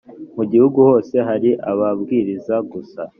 mu gihugu hose hari ababwiriza gusa